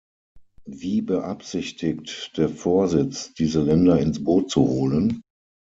Wie beabsichtigt der Vorsitz, diese Länder ins Boot zu holen?